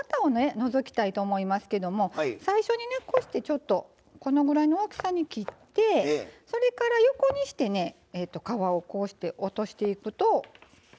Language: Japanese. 除きたいと思いますけども最初にねこうしてちょっとこのぐらいの大きさに切ってそれから横にしてね皮をこうして落としていくと。